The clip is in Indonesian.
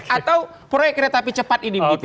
atau proyek kereta api cepat ini